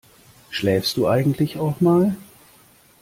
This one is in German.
Schläfst du eigentlich auch mal?